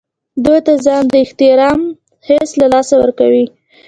دوی ځان ته د احترام حس له لاسه ورکوي.